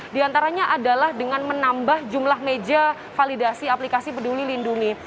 di antaranya adalah dengan menambah jumlah meja validasi aplikasi peduli lindungi